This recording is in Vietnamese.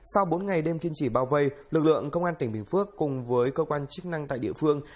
sau bốn ngày đêm kiên trì bao vây lực lượng công an tỉnh bình phước cùng với cơ quan chức năng tại địa phương